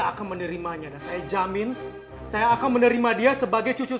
ujungnya ayahnya juga tidak akan mengakuinya